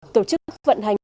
tổ chức vận hành